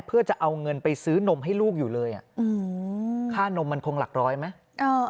เพื่อจะเอาเงินไปซื้อนมให้ลูกอยู่เลยค่านมมันคงหลักร้อยไหม